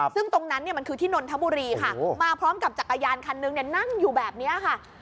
ซึ่งตรงนั้นมันคือที่นนทบุรีค่ะมาพร้อมกับจักรยานคันนึงนั่งอยู่แบบนี้ค่ะ